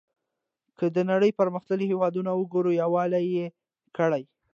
که د نړۍ پرمختللي هېوادونه وګورو یووالی یې کړی.